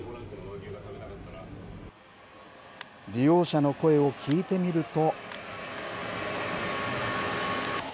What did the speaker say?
利用者の声を聞いてみると。